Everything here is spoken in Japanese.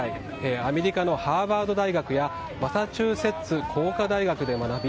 アメリカのハーバード大学やマサチューセッツ工科大学で学び